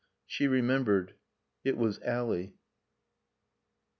She remembered. It was Ally.